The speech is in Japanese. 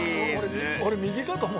俺右かと思った。